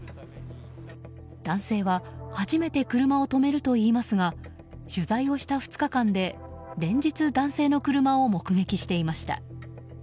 男性は初めて車を止めると言いますが取材をした２日間で、連日男性の車を目撃していました。